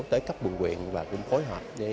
tới cấp bùn quyền và cũng phối hợp